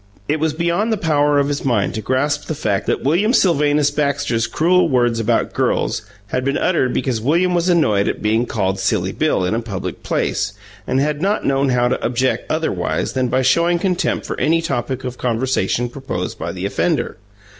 It was beyond the power of his mind to grasp the fact that William Sylvanus Baxter's cruel words about "girls" had been uttered because William was annoyed at being called "Silly Bill" in a public place, and had not known how to object otherwise than by showing contempt for any topic of conversation proposed by the offender.